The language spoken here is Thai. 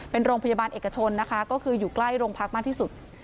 เป็นโรงพยาบาลเอกชนนะคะก็คืออยู่ใกล้โรงพักมากที่สุด